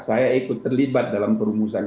saya ikut terlibat dalam perumusan ru dasarnya